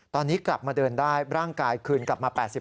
ตอนนี้กลับมาเดินได้ร่างกายคืนกลับมา๘๐